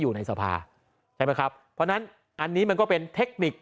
อยู่ในสภาใช่ไหมครับเพราะฉะนั้นอันนี้มันก็เป็นเทคนิค